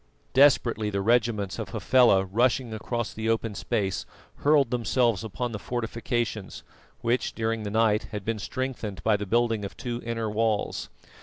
Desperately the regiments of Hafela rushing across the open space, hurled themselves upon the fortifications, which, during the night, had been strengthened by the building of two inner walls.